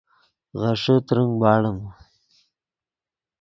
غیݰے ترنگ باڑیم